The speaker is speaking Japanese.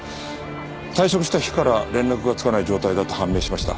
退職した日から連絡がつかない状態だと判明しました。